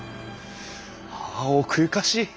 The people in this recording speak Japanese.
あ奥ゆかしい！